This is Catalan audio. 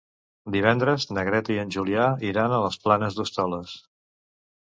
Divendres na Greta i en Julià iran a les Planes d'Hostoles.